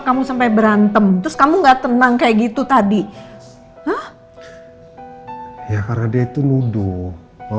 kamu sampai berantem terus kamu nggak tenang kayak gitu tadi ya karena dia itu nuduh oh